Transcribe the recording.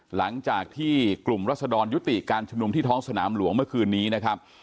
หลังจากที่กลุ่มรัศดรยุติการชุมนุมที่ท้องสนามหลวงเมื่อคืนนี้นะครับ